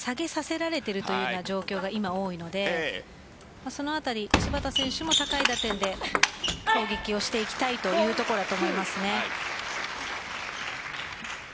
どちらかというと木原選手に下げさせられている状況が多いのでその辺り芝田選手も高い打点で攻撃をしていきたいというところだと思いますね。